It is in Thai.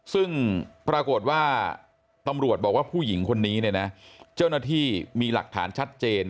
ซึ่งปรากฏว่าตำรวจบอกว่าผู้หญิงคนนี้เนี่ยนะเจ้าหน้าที่มีหลักฐานชัดเจน